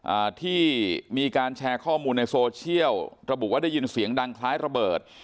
อ่าที่มีการแชร์ข้อมูลในโซเชียลระบุว่าได้ยินเสียงดังคล้ายระเบิด